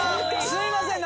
すいません。